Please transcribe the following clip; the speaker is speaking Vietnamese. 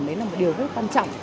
đấy là một điều rất quan trọng